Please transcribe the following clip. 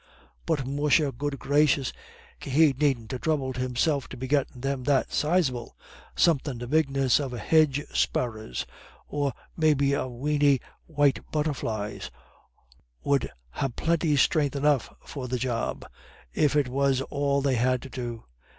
But musha good gracious, he needn't ha' throubled himself to be gettin' them that sizable. Somethin' the bigness of a hedge sparrer's, or maybe a weeny white butterfly's, 'ud ha' plinty stren'th enough for the job, if that was all they had to do."